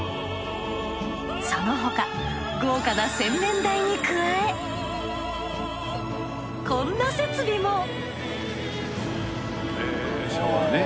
その他豪華な洗面台に加えこんな設備も。